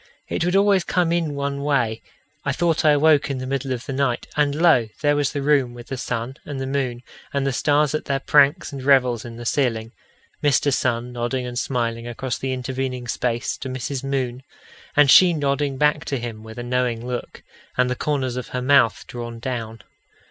It would always come in one way: I thought I awoke in the middle of the night, and lo! there was the room with the sun and the moon and the stars at their pranks and revels in the ceiling Mr. Sun nodding and smiling across the intervening space to Mrs. Moon, and she nodding back to him with a knowing look, and the corners of her mouth drawn down.